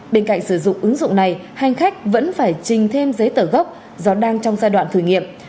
bên cạnh sử dụng ứng dụng này hành khách vẫn phải trình thêm giấy tờ gốc do đang trong giai đoạn thử nghiệm